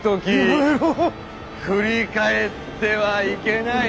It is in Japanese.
「振り返ってはいけない。